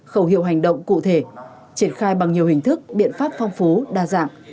khẩu hiệu hành động cụ thể triển khai bằng nhiều hình thức biện pháp phong phú đa dạng